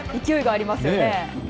勢いがありますね。